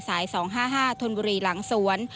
สาย๒๕๕ทนบุรีหลังสวน